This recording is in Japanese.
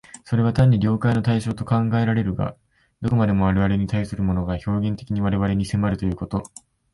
それは単に了解の対象と考えられるが、どこまでも我々に対するものが表現的に我々に迫るということ、